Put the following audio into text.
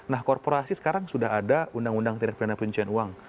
nah korporasi sekarang sudah ada undang undang tindak pidana pencucian uang